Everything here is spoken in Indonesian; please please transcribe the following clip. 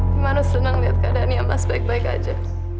gimana senang liat keadaan iya mas baik baik aja